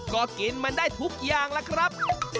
ก็กินมันได้ทุกอย่างล่ะครับ